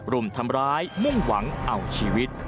รุมทำร้ายมุ่งหวังเอาชีวิต